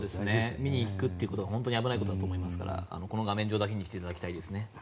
見に行くのは本当に危ないことだと思いますからこの画面上だけにしていただきたいですね。